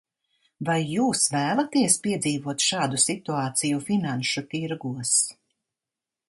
Vai jūs vēlaties piedzīvot šādu situāciju finanšu tirgos?